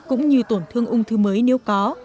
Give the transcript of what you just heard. cũng như tổn thương ung thư mới nếu có